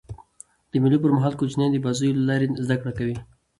د مېلو پر مهال کوچنيان د بازيو له لاري زدهکړه کوي.